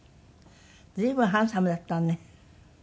随分ハンサムだったのね。